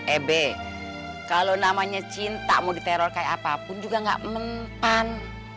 eh b kalau namanya cinta mau diteror kayak apapun juga gak menempan